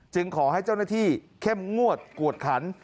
ขอให้เจ้าหน้าที่เข้มงวดกวดขัน